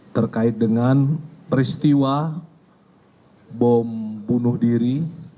terkait dengan peristiwa bom bunuh diri